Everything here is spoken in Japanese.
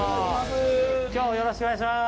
よろしくお願いします。